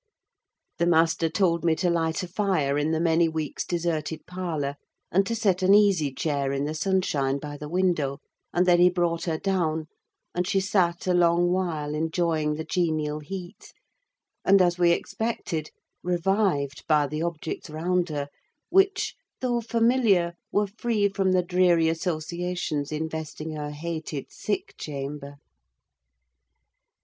The master told me to light a fire in the many weeks' deserted parlour, and to set an easy chair in the sunshine by the window; and then he brought her down, and she sat a long while enjoying the genial heat, and, as we expected, revived by the objects round her: which, though familiar, were free from the dreary associations investing her hated sick chamber.